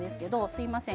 すみません